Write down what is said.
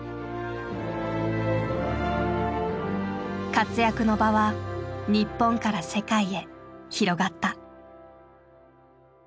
活躍の場は日本から世界へ広がった。